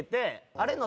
あれの。